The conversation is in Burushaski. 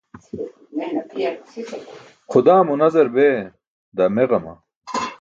Xudaa mo nazar bee, daa meġama.